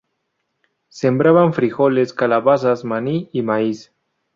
Sembraban frijoles, calabazas, maní y maíz.